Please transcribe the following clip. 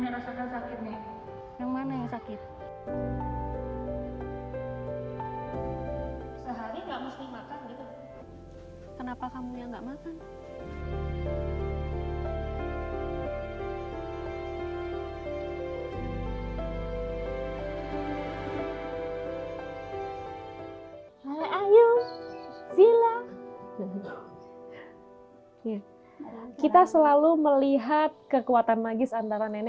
tidak ada obatnya tidak ada terapi